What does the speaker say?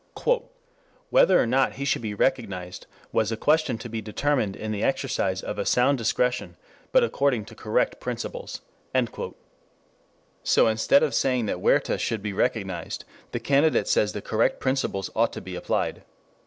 "Whether or not he should be recognized was a question to be determined in the exercise of a sound discretion, but according to correct principles." So instead of saying that Huerta should have been recognized, the candidate says that correct principles ought to be applied.